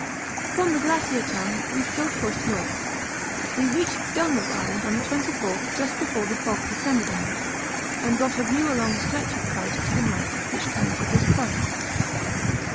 From the Glacier Tongue we still pushed north. We reached Dunlop Island on the 24th just before the fog descended on us, and got a view along the stretch of coast to the north which turns at this point.